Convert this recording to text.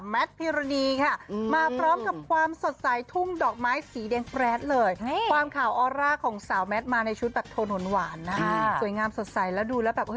มาความสดใสทุ่งดอกไม้สีแดงแบสเลยความเขาออร่าของสาวแม็ดมาในชุดแบบโทนหวานก็ค่ะสวยงามสดใสแล้วดูแล้วแบบ